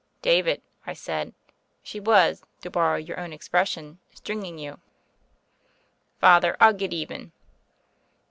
'* "David," I said, "she was, to borrow your own expression, 'stringing you.' " "Father, I'll get even."